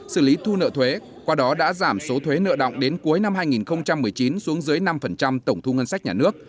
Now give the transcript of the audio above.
xử lý thu nợ thuế qua đó đã giảm số thuế nợ động đến cuối năm hai nghìn một mươi chín xuống dưới năm tổng thu ngân sách nhà nước